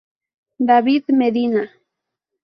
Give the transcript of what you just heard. David Medina